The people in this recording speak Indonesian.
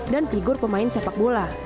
dan figur pemain sepak bola